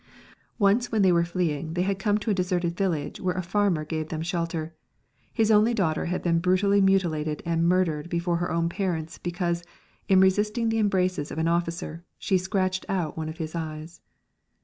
Once when they were fleeing they had come to a deserted village where a farmer gave them shelter. His only daughter had been brutally mutilated and murdered before her own parents because, in resisting the embraces of an officer, she scratched out one of his eyes.